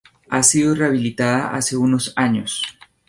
Ha sido rehabilitada hace unos años.